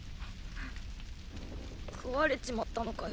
喰われちまったのかよ